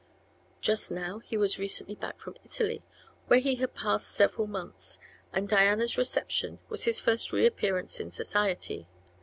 Just now he was recently back from Italy, where he had passed several months, and Diana's reception was his first reappearance in society.